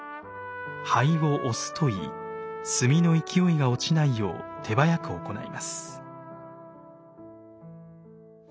「灰を押す」と言い炭の勢いが落ちないよう手早く行います。